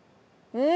うん。